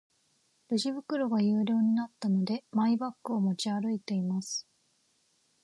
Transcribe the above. レジ袋が有料になったので、マイバッグを持ち歩いています。